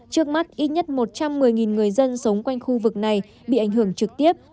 trước mắt ít nhất một trăm một mươi người dân sống quanh khu vực này bị ảnh hưởng trực tiếp